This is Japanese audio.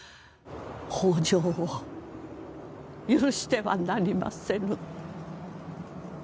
北条を許してはなりませぬ